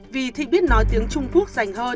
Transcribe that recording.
vì thì biết nói tiếng trung quốc